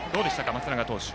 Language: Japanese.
松永投手。